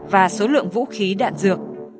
và số lượng vũ khí đạn dược